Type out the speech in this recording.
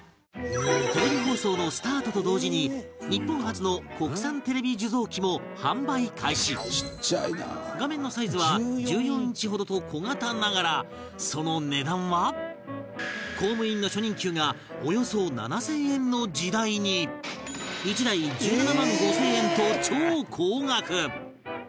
テレビ放送のスタートと同時に日本初の国産テレビ受像機も販売開始画面のサイズは１４インチほどと小型ながらその値段は公務員の初任給がおよそ７０００円の時代に１台１７万５０００円と超高額